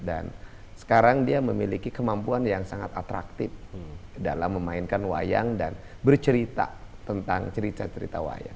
dan sekarang dia memiliki kemampuan yang sangat atraktif dalam memainkan wayang dan bercerita tentang cerita cerita wayang